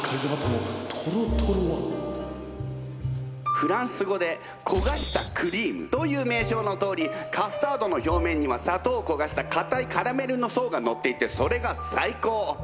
フランス語で焦がしたクリームという名称のとおりカスタードの表面には砂糖を焦がしたかたいカラメルの層がのっていてそれが最高！